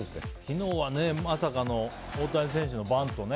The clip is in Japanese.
昨日はまさかの大谷選手のバントね。